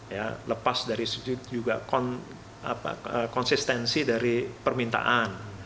ya lepas dari juga konsistensi dari permintaan